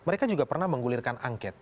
mereka juga pernah menggulirkan angket